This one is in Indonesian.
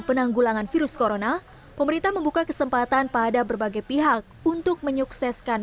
penanggulangan virus corona pemerintah membuka kesempatan pada berbagai pihak untuk menyukseskan